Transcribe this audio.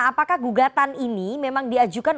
apakah gugatan ini memang diajukan